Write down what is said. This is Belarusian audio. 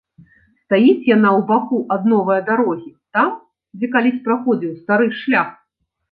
Стаіць яна ў баку ад новае дарогі, там, дзе калісь праходзіў стары шлях.